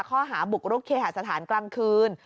ข้อหาบุกรุกเคหาสถานกลางคืน